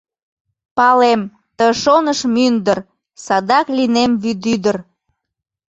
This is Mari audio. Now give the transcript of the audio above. Палем: ты шоныш мӱндыр, Садак лийнем вӱдӱдыр.